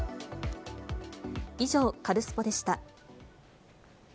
以上、カルスポっ！でした。